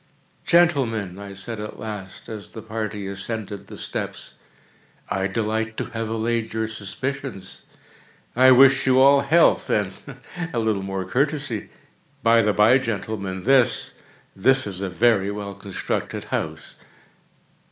"Gentlemen," I said at last, as the party ascended the steps, "I delight to have allayed your suspicions. I wish you all health, and a little more courtesy. By the bye, gentlemen, this—this is a very well constructed house."